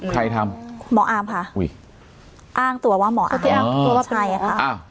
ใครทำหมออ้ำค่ะอ้างตัวว่าหมออ้ำ